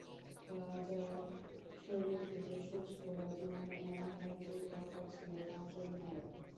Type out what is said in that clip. রাজার শরীর থেকে সুচ খোলার জন্য এমন একজন দরকার ছিল কাঞ্চনমালার।